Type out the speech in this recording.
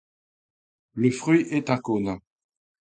Le fruit est un cône.